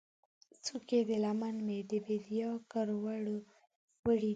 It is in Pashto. څوکې د لمن مې، د بیدیا کروړو ، وړې دي